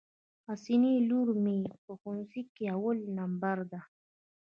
حسنی لور مي په ښوونځي کي اول نمبر ده.